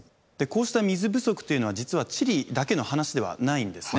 こうした水不足というのは実はチリだけの話ではないんですね。